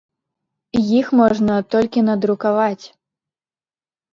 Іх можна толькі надрукаваць.